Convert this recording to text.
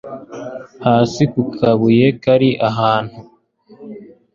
hasi kukabuye kari ahantu